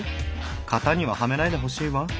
型にははめないでほしいわ。